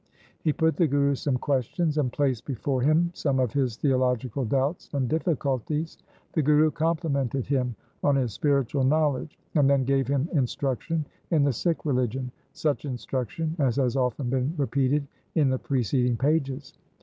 He put the Guru some questions and placed before him some of his theological doubts and difficulties. The Guru complimented him on his spiritual knowledge, and then gave him instruction in the Sikh religion, such instruction as has often been repeated in the preceding pages.